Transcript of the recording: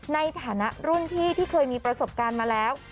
ในฐานะรุ่นพี่ที่เคยมีประสบการณ์มาแล้ว